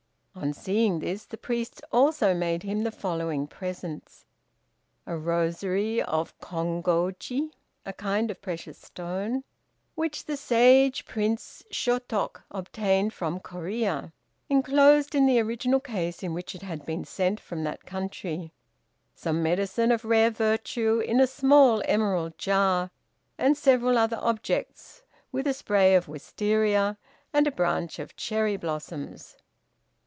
On seeing this, the priest also made him the following presents: A rosary of Kongôji (a kind of precious stone), which the sage Prince Shôtok obtained from Corea, enclosed in the original case in which it had been sent from that country; some medicine of rare virtue in a small emerald jar; and several other objects, with a spray of Wistaria, and a branch of cherry blossoms.